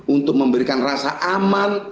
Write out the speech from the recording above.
untuk memberikan rasa aman